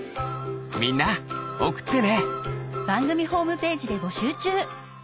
みんなおくってね！